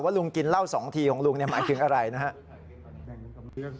ลุงกินเหล้า๒ทีของลุงหมายถึงอะไรนะครับ